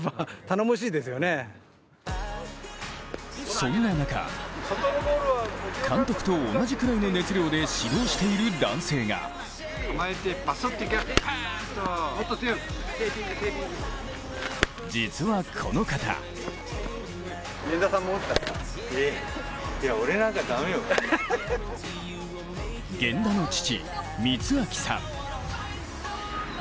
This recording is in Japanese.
そんな中、監督と同じぐらいの熱量で指導している男性が実はこの方源田の父・光明さん。